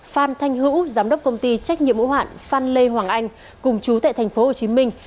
phan thanh hữu giám đốc công ty trách nhiệm hữu hạn phan lê hoàng anh cùng chú tại thành phố hồ chí minh